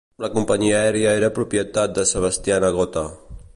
La companyia aèria era propietat de Sebastian Agote.